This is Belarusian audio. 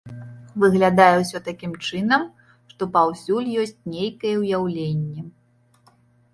Выглядае ўсё такім чынам, што паўсюль ёсць нейкае ўяўленне.